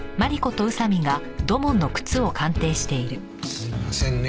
すみませんね。